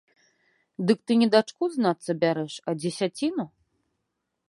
Дык ты не дачку, знацца, бярэш, а дзесяціну?